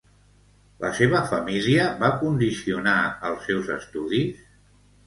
La seva família va condicionar els seus estudis?